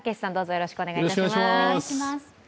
よろしくお願いします。